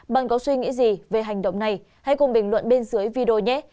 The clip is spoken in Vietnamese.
bạn có suy nghĩ gì về hành động này hãy cùng bình luận bên dưới video nhét